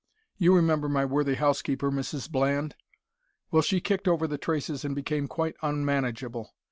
You remember my worthy housekeeper, Mrs Bland? Well, she kicked over the traces and became quite unmanageable.